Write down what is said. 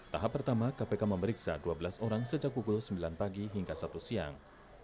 tahap pertama kpk memeriksa dua belas orang sejak pukul sembilan pagi hingga satu siang